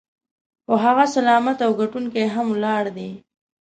خو هغه سلامت او ګټونکی هم ولاړ دی.